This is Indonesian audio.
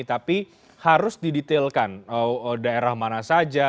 tapi harus didetailkan daerah mana saja